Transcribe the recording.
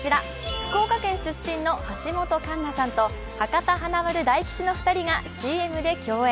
福岡県出身の橋本環奈さんと博多華丸・大吉の２人がＣＭで共演。